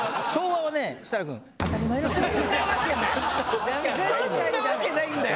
そんなわけないんだよ！